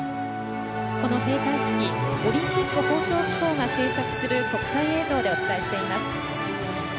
この閉会式オリンピック放送機構が制作する国際映像でお伝えしています。